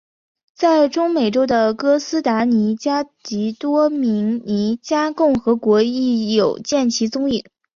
在中美洲的哥斯达尼加及多明尼加共和国亦有见其踪影。